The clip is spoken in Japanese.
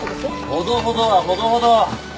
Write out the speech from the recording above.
ほどほどはほどほど！